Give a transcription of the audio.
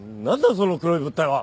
その黒い物体は。